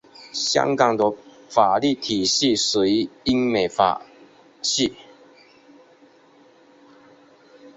香港的法律体系属于英美法系。